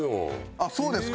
あっそうですか。